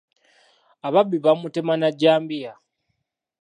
Ababbi baamutema na jjambiya.